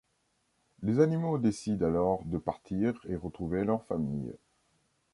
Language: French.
Les animaux décident alors de partir et retrouver leur famille.